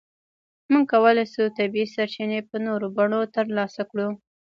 موږ کولای شو طبیعي سرچینې په نورو بڼو ترلاسه کړو.